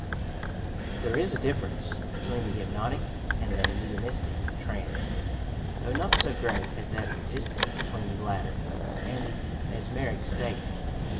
There is a difference between the hypnotic and the mediumistie trance, though not so great as that exist ing between the latter and the mesmeric state.